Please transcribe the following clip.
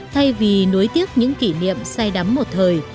thay vì nuối tiếc những kỷ niệm say đắm một thời